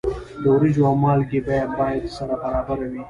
د وریجو او مالګې بیه باید سره برابره وي.